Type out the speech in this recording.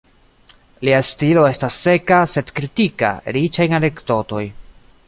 Lia stilo estas seka, sed kritika, riĉa en anekdotoj.